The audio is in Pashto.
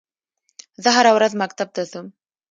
زه هره ورځ مکتب ته ځم